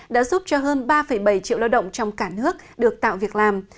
đã giúp cho hơn ba bảy triệu lao động trong cả nước được tạo việc làm